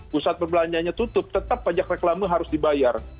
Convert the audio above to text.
pusat perbelanjaannya tutup tetap pajak reklama harus dibayar